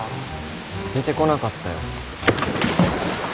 出てこなかったよ。